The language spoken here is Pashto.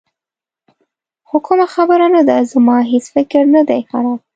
خو کومه خبره نه ده، زما هېڅ فکر نه دی خراب.